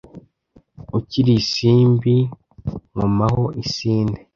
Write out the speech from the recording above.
ukiri isimbi nkomaho isinde